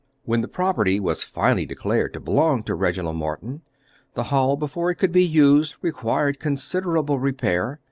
When the property was finally declared to belong to Reginald Morton, the Hall, before it could be used, required considerable repair.